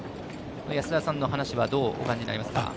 安田さんの話はどうお感じになりますか？